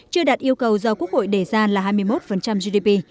chưa đạt yêu cầu do quốc hội đề ra là hai mươi một gdp